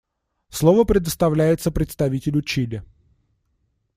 Слово предоставляется представителю Чили.